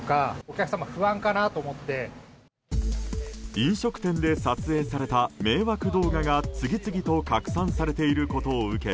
飲食店で撮影された迷惑動画が次々と拡散されていることを受け